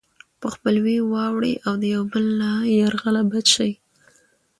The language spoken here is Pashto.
په خپلوۍ واوړي او د يو بل له يرغله بچ شي.